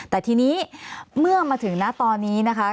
แต่ทีนี้เมื่อมาถึงนะตอนนี้นะคะ